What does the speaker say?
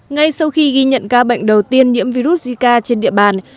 ngay sau khi ghi nhận ca bệnh đầu tiên nhiễm virus zika trên địa bàn